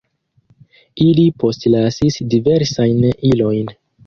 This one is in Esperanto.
Ili postlasis diversajn ilojn.